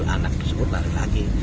anak tersebut lari lagi